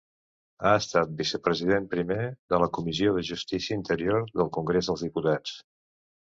Ha estat Vicepresident Primer de la Comissió de Justícia Interior del Congrés dels Diputats.